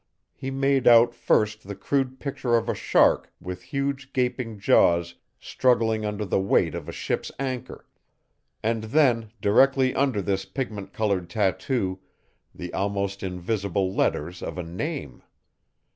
He made out first the crude picture of a shark with huge gaping jaws struggling under the weight of a ship's anchor, and then, directly under this pigment colored tatu, the almost invisible letters of a name.